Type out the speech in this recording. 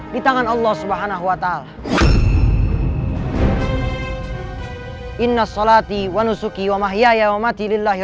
di tangan allah swt